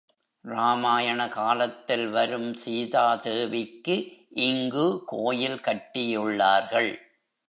ராமாயண காலத்தில் வரும் சீதா தேவிக்கு இங்கு கோயில் கட்டியுள்ளார்கள்.